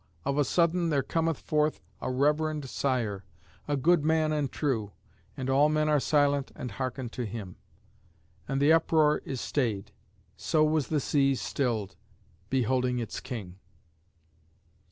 of a sudden there cometh forth a reverend sire, a good man and true, and all men are silent and hearken to him; and the uproar is stayed. So was the sea stilled, beholding its king.